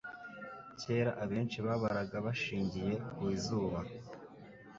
Kera abenshi babaraga bashingiye ku izuba,